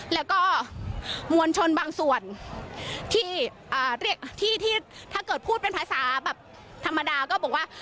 แล้วก็มวลชนบางส่วนที่เรียกที่ที่ถ้าเกิดพูดเป็นภาษาแบบธรรมดาก็บอกว่า